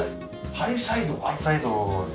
ハイサイドで。